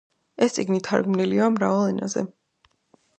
ეს წიგნი თარგმნილია მრავალ ენაზე.